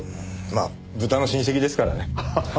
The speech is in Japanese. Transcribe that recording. まあ豚の親戚ですからね。